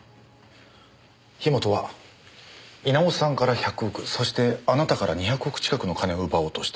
樋本は稲尾さんから１００億そしてあなたから２００億近くの金を奪おうとした。